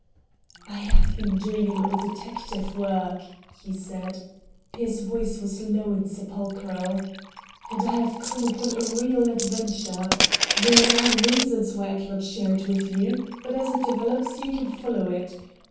"I have been doing a little detective work," he said. His voice was low and sepulchral. "And I have come upon a real adventure. There are reasons why I cannot share it with you, but as it develops you can follow it.